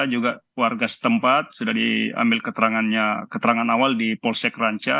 juga warga setempat sudah diambil keterangan awal di polsek ranca